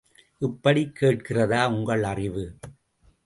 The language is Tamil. இப்படி கேட்கிறதா உங்கள் அறிவு?